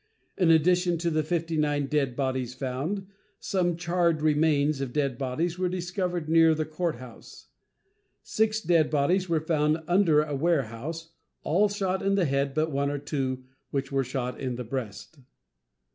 In addition to the fifty nine dead bodies found, some charred remains of dead bodies were discovered near the court house. Six dead bodies were found under a warehouse, all shot in the head but one or two, which were shot in the breast.